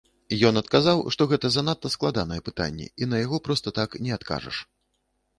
Ён адказаў, што гэта занадта складанае пытанне, і на яго проста так не адкажаш.